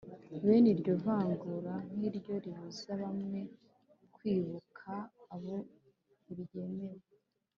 bene iryo vangura nk'iryo ribuza bamwe kwibuka ababo ntiryemewe,